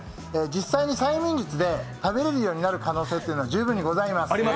実際に催眠術で食べられる可能性は十分にございます。